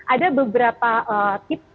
ada beberapa tips